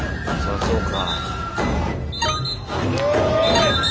あそうか。